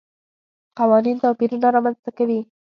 قوانین توپیرونه رامنځته کوي.